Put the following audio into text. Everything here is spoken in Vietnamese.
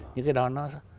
những cái đó nó